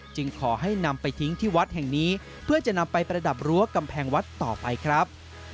ขอให้นำไปทิ้งที่วัดแห่งนี้เพื่อจะนำไปประดับรั้วกำแพงวัดต่อไปครับ